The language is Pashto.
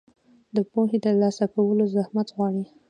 د پوهې ترلاسه کول زحمت غواړي.